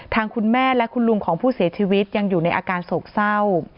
ทางคุณแม่และคุณลุงของผู้เสียชีวิตยังอยู่ในอาการโศกเศร้า